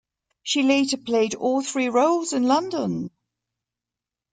She later played all three roles in London.